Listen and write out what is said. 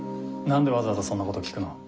なんでわざわざそんなこと聞くの？